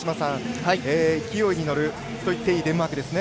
勢いに乗るといっていいデンマークですね。